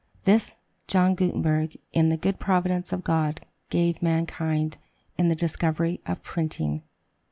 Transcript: This, John Gutenberg, in the good providence of God, gave mankind, in the discovery of printing.